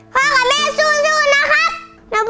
พ่อกับแม่สู้นะคะ